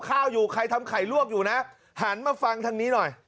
หาวหาวหาวหาวหาวหาวหาวหาวหาวหาวหาว